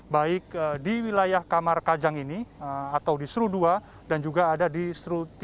baik di wilayah kamar kajang ini atau di seru dua dan juga ada di seru tiga